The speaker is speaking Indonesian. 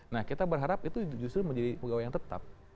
nah kita berharap itu justru menjadi pegawai yang tetap